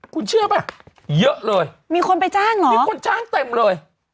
คุณเชื่อป่ะเยอะเลยมีคนไปจ้างเหรอมีคนจ้างเต็มเลย